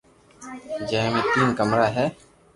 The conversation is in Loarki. جي مي تين ڪمرا ھي